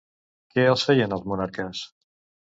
Què els feien als monarques?